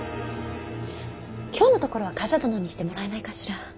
今日のところは冠者殿にしてもらえないかしら。